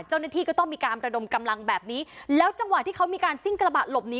เจ้าหน้าที่ก็ต้องมีการระดมกำลังแบบนี้แล้วจังหวะที่เขามีการซิ่งกระบะหลบหนี